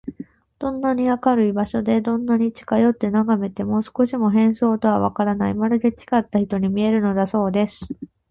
どんなに明るい場所で、どんなに近よってながめても、少しも変装とはわからない、まるでちがった人に見えるのだそうです。